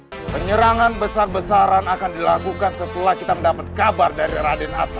hai penyerangan besar besaran akan dilakukan setelah kita mendapat kabar dari raden atta